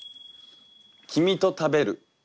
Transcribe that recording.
「君と食べる」。